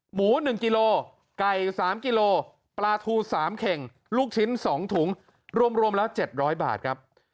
หมู๑กิโลไก่๓กิโลปลาทู๓เข่งลูกชิ้น๒ถุงรวมแล้ว๗๐๐บาทครับ